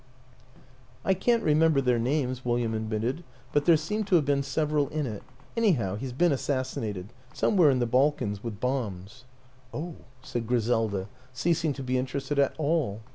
" I can't remember their names," William ad mitted, " but there seem to have been several in it. Anyhow, he's been assassinated. Some where in the Balkans. With bombs." " Oh! " said Griselda, ceasing to be interested at all.